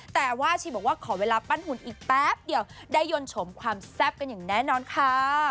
แต่ว่าชีบอกว่าขอเวลาปั้นหุ่นอีกแป๊บเดียวได้ยนต์ชมความแซ่บกันอย่างแน่นอนค่ะ